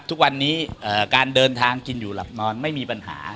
ทุกวันนี้การเดินทางกินอยู่หลับนอนไม่มีปัญหา